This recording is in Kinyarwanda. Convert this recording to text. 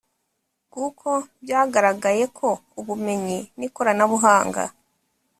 kuko byagaragaye ko ubumenyi n’ikoranabuhanga